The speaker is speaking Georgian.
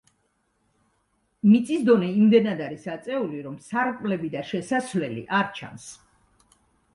მიწის დონე იმდენად არის აწეული, რომ სარკმლები და შესასვლელი არ ჩანს.